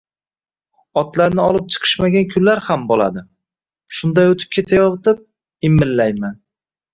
Otlarni olib chiqishmagan kunlar ham bo`ladi, shunda o`tib ketayotib, imillayman